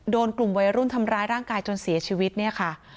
โดนกลุ่มวัยรุ่นทำร้ายร่างกายจนเสียชีวิตเนี่ยค่ะ